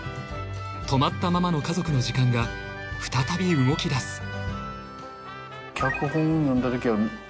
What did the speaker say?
止まったままの家族の時間が再び動きだす